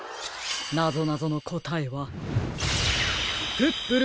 なぞなぞのこたえはプップル